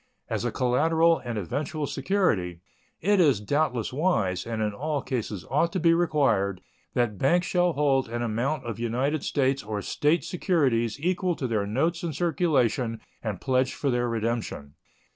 As a collateral and eventual security, it is doubtless wise, and in all cases ought to be required, that banks shall hold an amount of United States or State securities equal to their notes in circulation and pledged for their redemption.